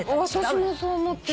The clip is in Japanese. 私もそう思ってた。